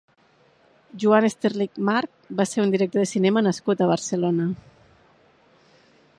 Joan Estelrich March va ser un director de cinema nascut a Barcelona.